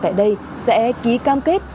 tại đây sẽ ký cam kết